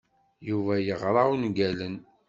Yuba yeɣra ungalen.